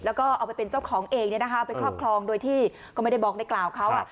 และก็เอาเป็นเจ้าของเองไปขอบครองโดยที่ไม่ได้บอกในกล่าวเค้า